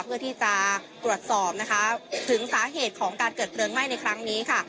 เพื่อที่จะตรวจสอบนะคะถึงสาเหตุของการเกิดเพลิงไหม้ในครั้งนี้ค่ะ